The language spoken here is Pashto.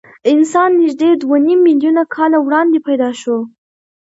انسان نږدې دوه نیم میلیونه کاله وړاندې پیدا شو.